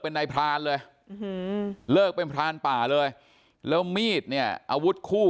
เป็นในพรรณเลยเลิกเป็นพรรณป่าเลยแล้วเงียดเนี่ยอัวุธคู่